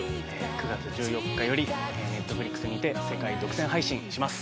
９月１４日よりＮｅｔｆｌｉｘにて世界独占配信します。